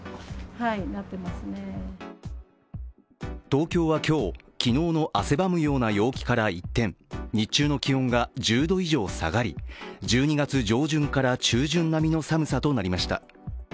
東京は今日、昨日の汗ばむような陽気から一転、日中の気温が１０度以上下がり、１２月上旬から中旬の寒さとなりました。